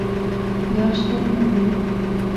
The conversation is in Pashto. میاشتې نه وي.